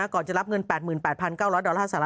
ก่อนจะรับเงิน๘๘๙๐๐ดอลลาร์สหรัฐ